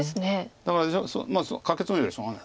だからカケツグよりしょうがない